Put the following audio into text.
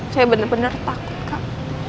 saya bener bener takut kak